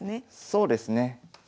そうですね。